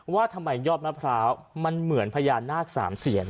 ว่าทำไมยอดมะพร้าวมันเหมือนพญานาคสามเซียน